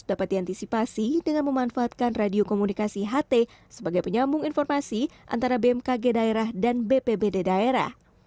dapat diantisipasi dengan memanfaatkan radio komunikasi ht sebagai penyambung informasi antara bmkg daerah dan bpbd daerah